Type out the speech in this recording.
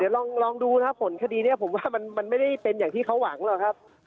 ลองดูนะครับผลคดีนี้ผมว่ามันไม่ได้เป็นอย่างที่เขาหวังหรอกครับ